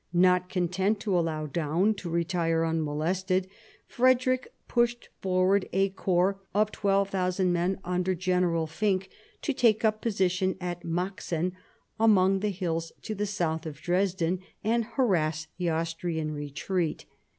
Not content to allow Daun to retire unmolested, Frederick pushed forward a corps of 12,000 men under General Finck to take up a position at Maxen among the hills to the south of Dresden and harass the Austrian retreat.